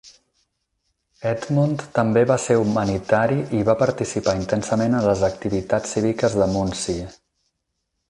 Edmund també va ser humanitari i va participar intensament en les activitats cíviques de Muncie.